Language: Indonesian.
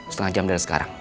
setengah jam dari sekarang